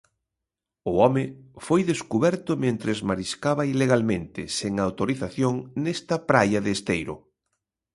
O home foi descuberto mentres mariscaba ilegalmente, sen autorización, nesta praia de Esteiro.